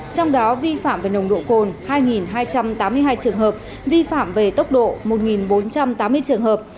trong đó vi phạm về nồng độ cồn hai hai trăm tám mươi hai trường hợp vi phạm về tốc độ một bốn trăm tám mươi trường hợp